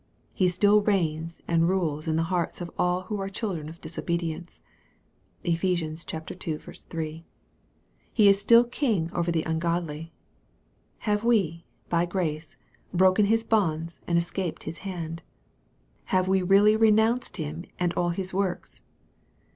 He still reigns and rules in the hearts of all who are children of disobedience. (Eph. ii. 3.) He is still a king over the ungodly. Have we, by grace, broken his bonds, and escaped his hand? Have we really renounced him and all his works